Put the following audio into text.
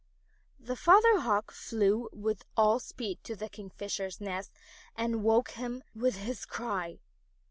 The Father Hawk flew with all speed to the Kingfisher's nest and woke him with his cry.